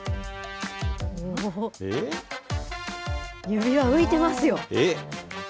指輪、浮いてますよ。